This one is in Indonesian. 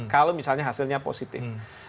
kalau misalnya hasilnya positif